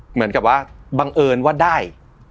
เหมือนกับว่าบังเอิญว่าได้